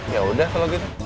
yaudah kalau gitu